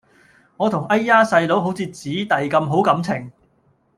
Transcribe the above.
我同哎呀細佬好似姊弟咁好感情